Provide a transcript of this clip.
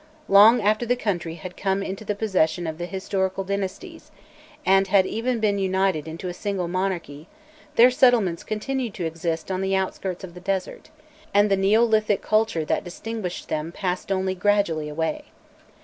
Long after the country had come into the possession of the historical dynasties, and had even been united into a single monarchy, their settlements continued to exist on the outskirts of the desert, and the neolithic culture that distinguished them passed only gradually away.